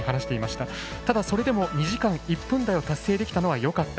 ただ、それでも２時間１分台を達成できたのはよかった。